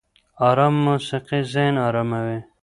ارامه موسيقي ذهن اراموي